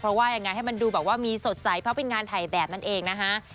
เพราะว่ายังไงให้มันดูแบบว่ามีสดใสเพราะเป็นงานถ่ายแบบนั่นเองนะฮะ